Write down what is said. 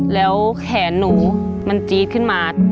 แล้วแขนหนูมันจี๊ดขึ้นมา